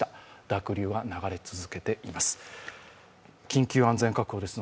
濁流が流れ続けています。